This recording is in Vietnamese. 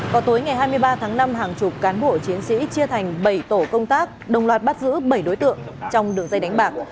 vào tối ngày hai mươi ba tháng năm hàng chục cán bộ chiến sĩ chia thành bảy tổ công tác đồng loạt bắt giữ bảy đối tượng trong đường dây đánh bạc